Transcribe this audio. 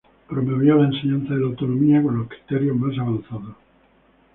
Promovió la enseñanza de la Anatomía con los criterios más avanzados.